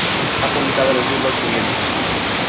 Ha publicado los libros siguientes